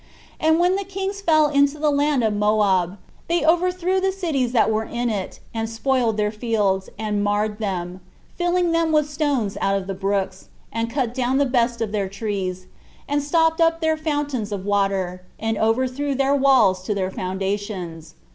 And when the kings fell into the land of Moab, they overthrew the cities that were in it, and spoiled their fields, and marred them, filling them with stones out of the brooks, and cut down the best of their trees, and stopped up their fountains of water, and overthrew their walls to their foundations.